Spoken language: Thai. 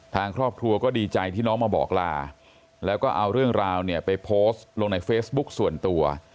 ทางครอบครัวก็ดีใจที่น้องมาบอกลาแล้วก็เอาเรื่องราวเนี่ยไปโพสต์ลงในเฟซบุ๊กส่วนตัว